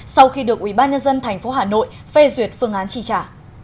sau khi được ubnd tp hà nội phê duyệt phương án chi trả